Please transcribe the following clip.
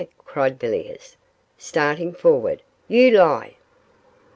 cried Villiers, starting forward, 'you lie.